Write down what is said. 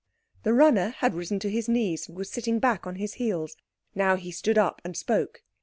The runner had risen to his knees and was sitting back on his heels. Now he stood up and spoke.